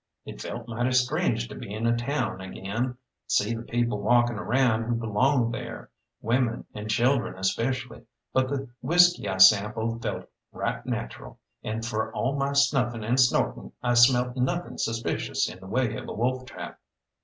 It felt mighty strange to be in a town again, see the people walking around who belonged there, women and children especially, but the whisky I sampled felt right natural, and for all my snuffing and snorting I smelt nothing suspicious in the way of wolf trap.